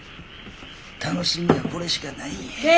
楽しみはこれしかないんや。